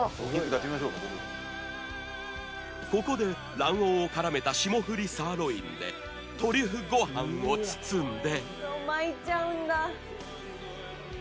ここで卵黄を絡めた霜降りサーロインでトリュフご飯を包んで巻いちゃうんだ。